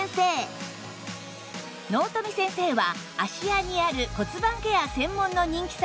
納富先生は芦屋にある骨盤ケア専門の人気サロン